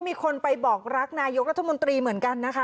มีคนไปบอกรักนายกรัฐมนตรีเหมือนกันนะคะ